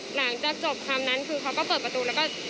หลังจากจบคำนั้นคือเขาก็เปิดประตูแล้วก็